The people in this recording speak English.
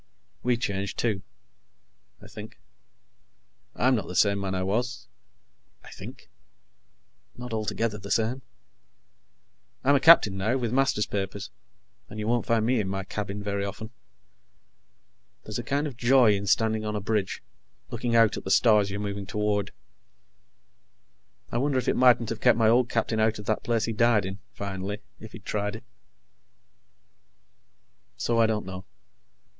We changed, too, I think I'm not the same man I was ... I think not altogether the same; I'm a captain now, with master's papers, and you won't find me in my cabin very often ... there's a kind of joy in standing on a bridge, looking out at the stars you're moving toward. I wonder if it mightn't have kept my old captain out of that place he died in, finally, if he'd tried it. So, I don't know.